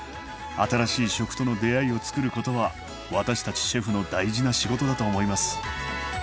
新しい食との出会いをつくることは私たちシェフの大事な仕事だと思います。